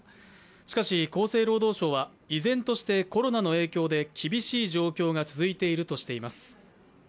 しかし、厚生労働省は依然としてコロナの影響で厳しい状況が続いているとしています。